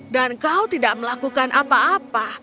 dan kau tidak melakukan apa apa